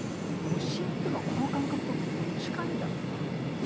無心というのはこの感覚ととっても近いんだということを言うわけです。